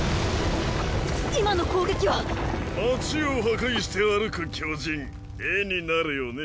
今の攻撃は⁉街を破壊して歩く巨人絵になるよね。